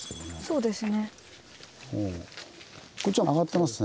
そうですね。